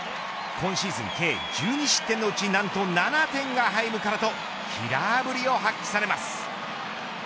今シーズン計１２失点のうち何と７点がハイムからのキラーぶりを発揮されます。